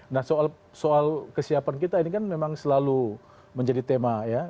nah soal kesiapan kita ini kan memang selalu menjadi tema ya